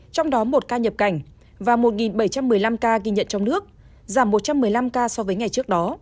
trong đó một ca nhập cảnh và một bảy trăm một mươi năm ca ghi nhận trong nước giảm một trăm một mươi năm ca so với ngày trước đó